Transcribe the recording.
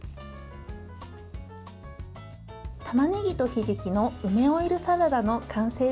たまねぎとひじきの梅オイルサラダの完成です。